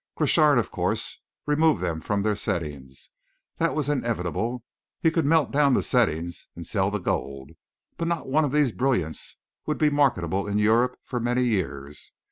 "Crochard, of course, removed them from their settings that was inevitable. He could melt down the settings and sell the gold; but not one of these brilliants would be marketable in Europe for many years.